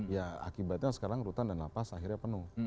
ya akibatnya sekarang rutan dan lapas akhirnya penuh